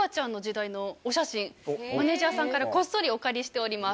マネジャーさんからこっそりお借りしております。